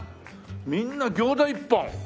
みんな餃子一本。